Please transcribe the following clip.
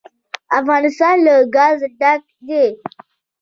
افغانستان له ګاز ډک دی.